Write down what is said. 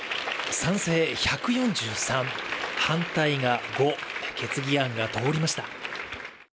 賛成１４３、反対が５決議案が通りました。